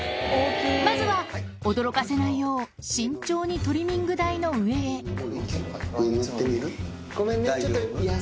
まずは驚かせないよう慎重にトリミング台の上へよしいくよ。